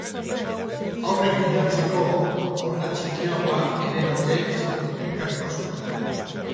Haurrek gidatzeko orga txikiagoak ere daude supermerkatu askotan.